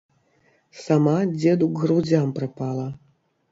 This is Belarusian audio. Сама дзеду к грудзям прыпала.